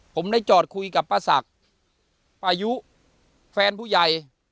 ผมได้จอดคุยกับป้าศักดิ์ป้ายุแฟนผู้ใหญ่